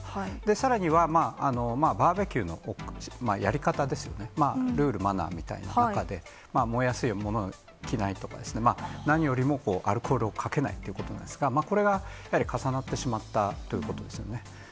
さらには、バーベキューのやり方ですよね、ルール、マナーみたいな中で、燃えやすいものを着ないとかですね、何よりもアルコールをかけないっていうことですか、これがやはり重なってしまったということですよね。